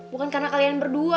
bukan karena kalian berdua